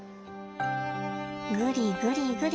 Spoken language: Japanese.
ぐりぐりぐり。